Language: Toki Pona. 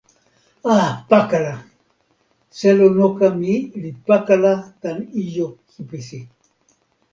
a, pakala! selo noka mi li pakala tan ijo kipisi.